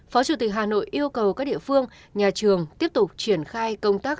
phó chủ tịch hà nội yêu cầu các địa phương nhà trường tiếp tục triển khai công tác